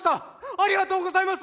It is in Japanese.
ありがとうございます！